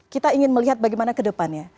kita ingin melihat bagaimana ke depannya